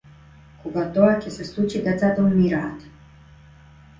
Кога тоа ќе се случи децата умираат.